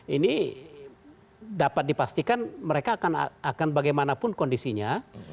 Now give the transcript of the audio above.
ini dapat dipastikan mereka akan bagaimanapun kondisinya